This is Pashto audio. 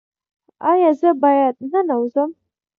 ایا زه باید ننوځم؟